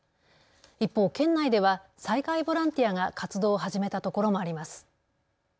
一方、県内では災害ボランティアが活動を始めたところもあります。